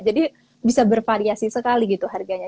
jadi bisa bervariasi sekali gitu harganya